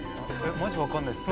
マジわからないです。